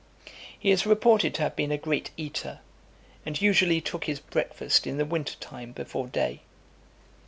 XXII. He is reported to have been a great eater, and usually took his breakfast in the winter time before day.